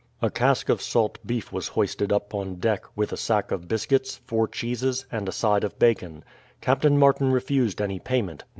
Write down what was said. A cask of salt beef was hoisted up on deck, with a sack of biscuits, four cheeses, and a side of bacon. Captain Martin refused any payment.